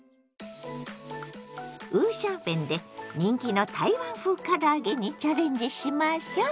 五香粉で人気の台湾風から揚げにチャレンジしましょ！